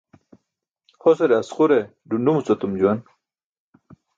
Hosare asqure ḍunḍumuc etum juwan.